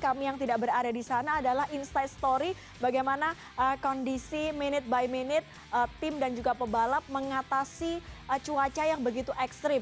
kami yang tidak berada di sana adalah insight story bagaimana kondisi minute by minute tim dan juga pebalap mengatasi cuaca yang begitu ekstrim